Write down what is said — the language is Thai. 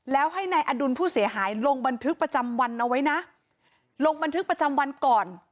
แล้วให้นายอดุลผู้เสียหายลงบันทึกประจำวันเอาไว้นะลงบันทึกประจำวันก่อน